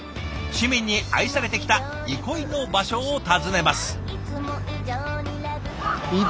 市民に愛されてきた憩いの場所を訪ねます。